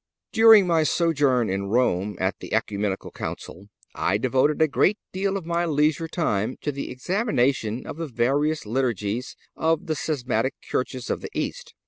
During my sojourn in Rome at the Ecumenical Council I devoted a great deal of my leisure time to the examination of the various Liturgies of the schismatic churches of the East.